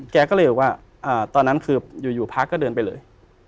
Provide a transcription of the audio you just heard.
แกก็เลยบอกว่าตอนนั้นคืออยู่พระก็เดินไปเลย